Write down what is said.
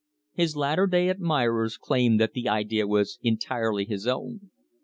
His latter day admirers claim that the idea was entirely his own.